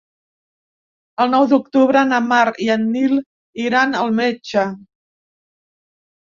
El nou d'octubre na Mar i en Nil iran al metge.